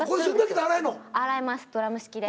洗えますドラム式で。